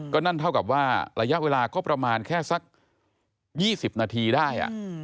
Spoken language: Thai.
ก็นั่นเท่ากับว่าระยะเวลาก็ประมาณแค่สัก๒๐นาทีได้